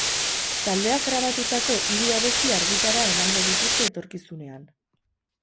Taldeak grabatutako hiru abesti argitara emango dituzte etorkizunean.